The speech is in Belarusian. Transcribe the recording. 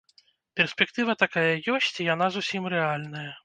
Перспектыва такая ёсць, і яна зусім рэальная.